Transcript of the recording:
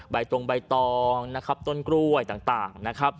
ใบตรงใบตองต้นกล้วยต่าง